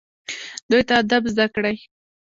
دوی ته ادب زده کړئ